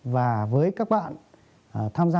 và với các bạn tham gia